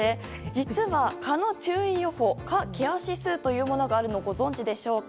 実は蚊の注意予報蚊ケア指数というものがあるのをご存じでしょうか。